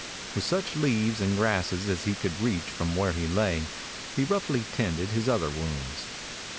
With such leaves and grasses as he could reach from where he lay, he roughly tended his other wounds.